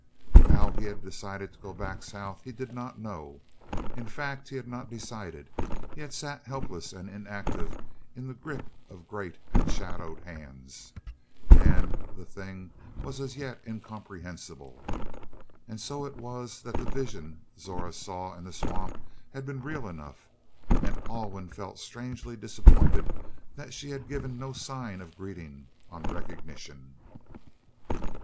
How he had decided to go back South he did not know. In fact, he had not decided. He had sat helpless and inactive in the grip of great and shadowed hands, and the thing was as yet incomprehensible. And so it was that the vision Zora saw in the swamp had been real enough, and Alwyn felt strangely disappointed that she had given no sign of greeting on recognition.